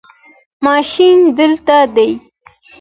ماشین دلته دی